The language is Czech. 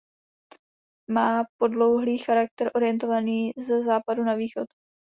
Má podlouhlý charakter orientovaný ze západu na východ.